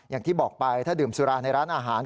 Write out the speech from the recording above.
อย่างที่บอกไปถ้าดื่มสุราในร้านอาหาร